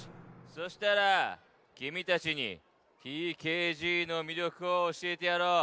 そしたらきみたちにＴＫＧのみりょくをおしえてやろう。